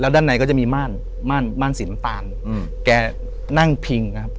ด้านในก็จะมีม่านม่านม่านสีน้ำตาลอืมแกนั่งพิงนะครับ